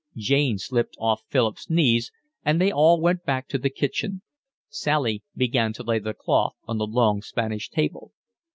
Jane slipped off Philip's knees, and they all went back to the kitchen. Sally began to lay the cloth on the long Spanish table.